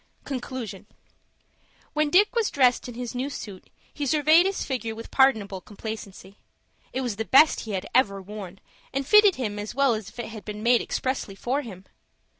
CONCLUSION When Dick was dressed in his new suit, he surveyed his figure with pardonable complacency. It was the best he had ever worn, and fitted him as well as if it had been made expressly for him.